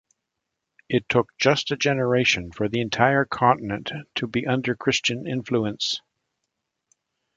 It took just a generation for the entire continent to be under Christian influence.